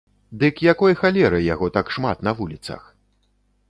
Дык якой халеры яго так шмат на вуліцах?